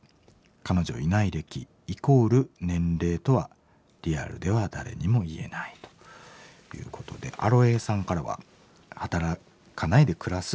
彼女いない歴イコール年齢とはリアルでは誰にも言えない」ということでアロエさんからは「働かないで暮らす。